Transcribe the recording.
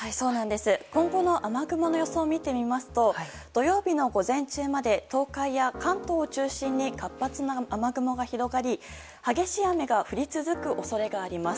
今後の雨雲の予想を見てみますと土曜日の午前中まで東海や関東を中心に活発な雨雲が広がり激しい雨が降り続く恐れがあります。